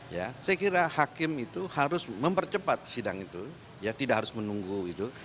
saya kira hakim itu harus mempercepat sidang itu tidak harus menunggu itu